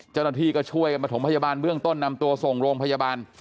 เจ้าหน้าที่ก็ช่วยกันประถมพยาบาลเบื้องต้นนำตัวส่งโรงพยาบาล